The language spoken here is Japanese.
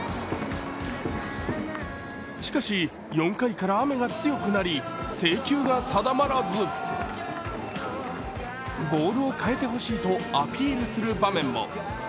しかし、４回から雨が強くなり制球が定まらずボールを変えてほしいとアピールする場面も。